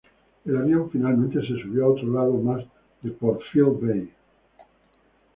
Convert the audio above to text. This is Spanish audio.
El avión finalmente se subió a otro lado más de Port Phillip Bay.